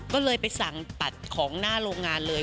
ก็เลยไปสั่งตัดของหน้าโรงงานเลย